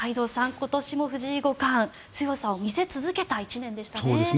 今年も藤井五冠強さを見せ続けた１年でしたね。